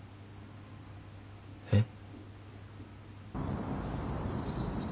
えっ？